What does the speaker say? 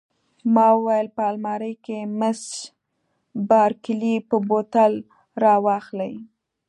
ما وویل: په المارۍ کې، مس بارکلي به بوتل را واخلي.